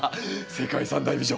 世界三大美女。